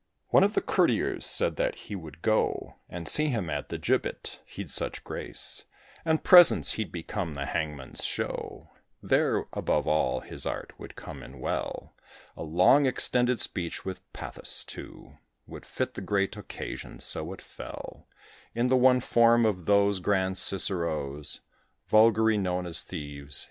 One of the courtiers said that he would go And see him at the gibbet; he'd such grace And presence, he'd become the hangman's show; There, above all, his art would come in well: A long extended speech with pathos, too Would fit the great occasion, so it fell In the one form of those grand Ciceros Vulgarly known as thieves.